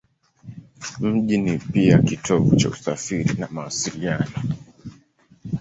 Mji ni pia kitovu cha usafiri na mawasiliano.